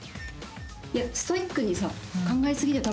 いやストイックにさ考えすぎだよ